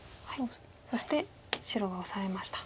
そして白がオサえました。